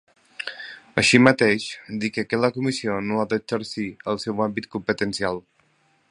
Així mateix, indica que la comissió no ha d’excedir el seu àmbit competencial.